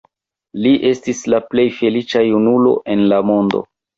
Li estis la plej feliĉa junulo en la mondo.